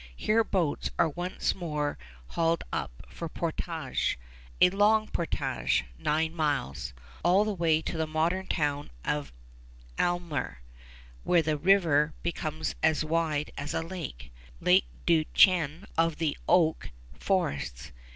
Here boats are once more hauled up for portage a long portage, nine miles, all the way to the modern town of Aylmer, where the river becomes wide as a lake, Lake Du Chêne of the oak forests.